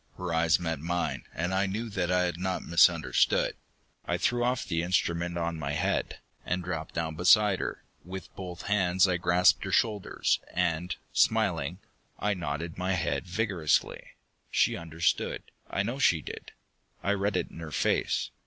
Her eyes met mine and I knew that I had not misunderstood. I threw off the instrument on my head, and dropped down beside her. With both hands I grasped her shoulders, and, smiling, I nodded my head vigorously. She understood, I know she did. I read it in her face.